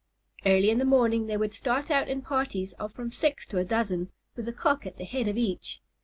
Early in the morning they would start out in parties of from six to a dozen, with a Cock at the head of each.